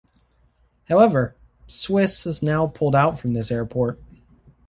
However, Swiss has now pulled out from this airport.